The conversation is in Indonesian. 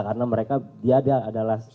karena mereka biadanya adalah